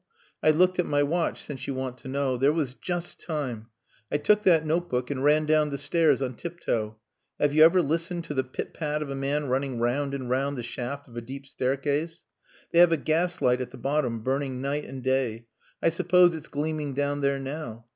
I looked at my watch, since you want to know. There was just time. I took that notebook, and ran down the stairs on tiptoe. Have you ever listened to the pit pat of a man running round and round the shaft of a deep staircase? They have a gaslight at the bottom burning night and day. I suppose it's gleaming down there now....